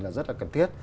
là rất là cần thiết